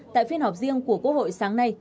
tại phiên họp riêng của quốc hội sáng nay